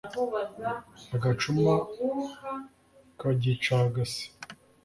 agacuma kagicagase